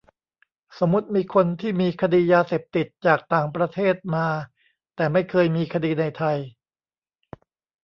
สมมติมีคนที่มีคดียาเสพติดจากต่างประเทศมา แต่ไม่เคยมีคดีในไทย